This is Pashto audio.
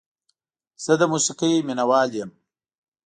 زه د موسیقۍ مینه وال یم.